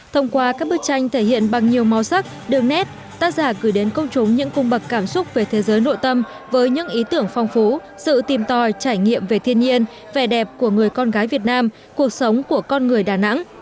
thông qua các bức tranh thể hiện bằng nhiều màu sắc đường nét tác giả gửi đến công chúng những cung bậc cảm xúc về thế giới nội tâm với những ý tưởng phong phú sự tìm tòi trải nghiệm về thiên nhiên vẻ đẹp của người con gái việt nam cuộc sống của con người đà nẵng